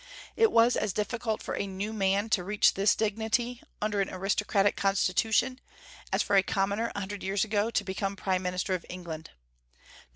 It was as difficult for a "new man" to reach this dignity, under an aristocratic Constitution, as for a commoner a hundred years ago to become prime minister of England.